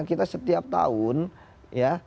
kita setiap tahun ya